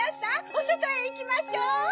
おそとへいきましょう！